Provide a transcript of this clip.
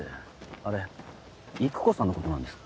あれ郁子さんのことなんですか？